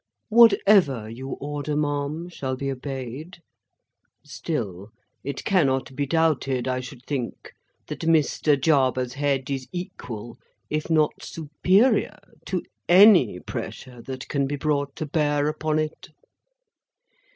"Whatever you order, ma'am, shall be obeyed. Still, it cannot be doubted, I should think, that Mr. Jarber's head is equal, if not superior, to any pressure that can be brought to bear upon it."